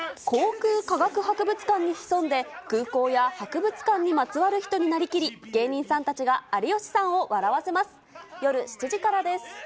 航空科学博物館に潜んで、空港や博物館にまつわる人になりきり、芸人さんたちが有吉さんを笑わせます。